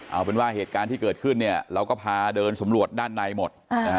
เอาเป็นว่าเหตุการณ์ที่เกิดขึ้นเนี่ยเราก็พาเดินสำรวจด้านในหมด